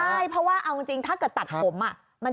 ใช่เพราะว่าเอาจริงถ้าเกิดตัดผม